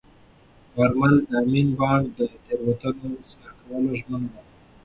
کارمل د امین بانډ د تېروتنو اصلاح کولو ژمنه وکړه.